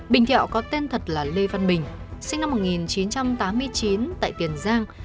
bình thẹo có tên thật là lê văn bình sinh năm một nghìn chín trăm tám mươi chín tại tiền giang